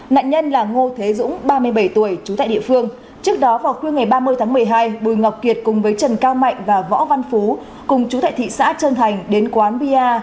nạn nhân là ngô thế dũng ba mươi bảy tuổi trú tại địa phương trước đó vào khuya ngày ba mươi tháng một mươi hai bùi ngọc kiệt cùng với trần cao mạnh và võ văn phú cùng chú tại thị xã trân thành đến quán bia